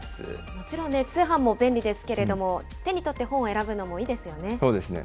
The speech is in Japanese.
もちろん、通販も便利ですけれども、手に取って本を選ぶのもそうですね。